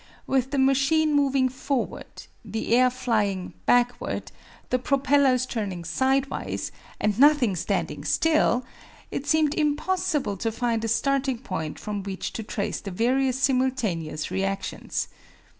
With the machine moving forward, the air flying backward, the propellers turning sidewise, and nothing standing still, it seemed impossible to find a starting point from which to trace the various simultaneous reactions.